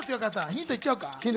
ヒント行っちゃおうか。